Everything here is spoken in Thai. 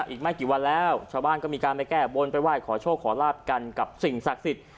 อีกไม่กี่วันแล้วชาวบ้านก็มีการไปแก้บนไปไหว้ขอโชคขอลาบกันกับสิ่งศักดิ์สิทธิ์